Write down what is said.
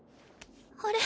あれ？